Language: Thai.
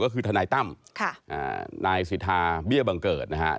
ก็คือทนายตั้มนายสิทธาเบี้ยบังเกิดนะฮะ